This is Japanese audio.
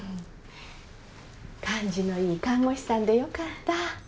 感じのいい看護師さんでよかった。